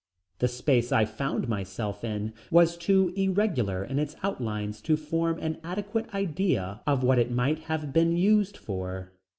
The space I found myself in was too irregular in its outlines to form an adequate idea of what it might have been used for.